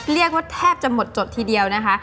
เรียกว่าแทบจะหมดจดทีเดียวนะคะ